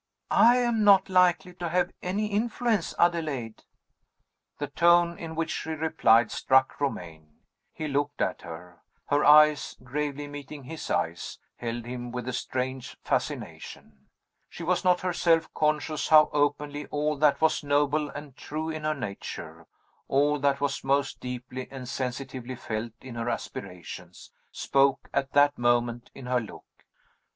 "I am not likely to have any influence, Adelaide." The tone in which she replied struck Romayne. He looked at her. Her eyes, gravely meeting his eyes, held him with a strange fascination. She was not herself conscious how openly all that was noble and true in her nature, all that was most deeply and sensitively felt in her aspirations, spoke at that moment in her look.